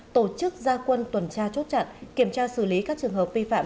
tổ chức gia quân tuần tra chốt chặn kiểm tra xử lý các trường hợp vi phạm